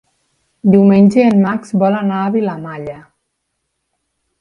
Diumenge en Max vol anar a Vilamalla.